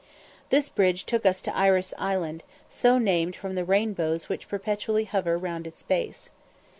This bridge took us to Iris Island, so named from the rainbows which perpetually hover round its base.